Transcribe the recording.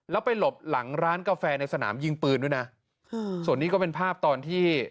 แล้วไปหลบหลังร้านกาแฟในสนามยิงปืนด้วยนะส่วนนี้ก็เป็นภาพตอนที่